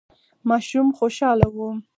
ماشوم خوشاله و.